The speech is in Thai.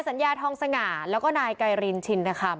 สวัสดี